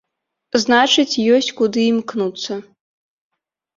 Значыць, ёсць куды імкнуцца.